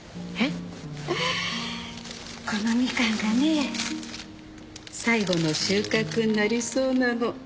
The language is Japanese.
このミカンがね最後の収穫になりそうなの。